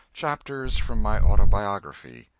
CHAPTERS FROM MY AUTOBIOGRAPHY.